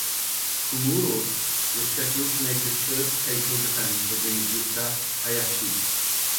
Kumura was scheduled to make his first title defense against Yuta Hayashi.